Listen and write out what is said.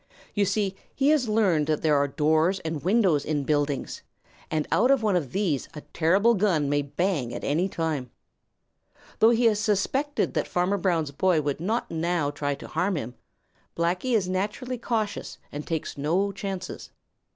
You see, he has learned that there are doors and windows in buildings, and out of one of these a terrible gun may bang at any time. Though he has suspected that Farmer Brown's boy would not now try to harm him, Blacky is naturally cautious and takes no chances.